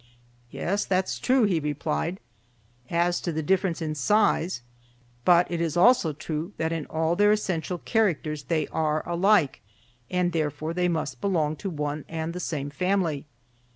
"Yes, that is true," he replied, "as to the difference in size, but it is also true that in all their essential characters they are alike, and therefore they must belong to one and the same family.